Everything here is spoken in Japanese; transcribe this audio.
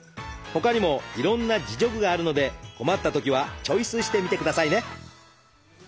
ほかにもいろんな自助具があるので困ったときはチョイスしてみてくださいね。